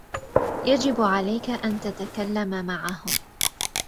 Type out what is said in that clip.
يجب عليك أن تتكّلم معهم.